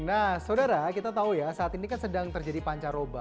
nah saudara kita tahu ya saat ini kan sedang terjadi pancaroba